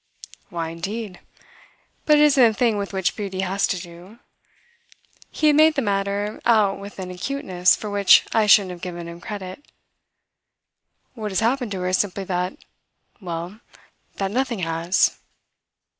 "Why indeed? But it isn't a thing with which beauty has to do." He had made the matter out with an acuteness for which I shouldn't have given him credit. "What has happened to her is simply that well, that nothing has."